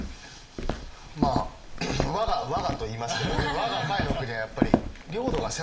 まあ我が「我が」と言いますけど我が甲斐国はやっぱり領土が狭い。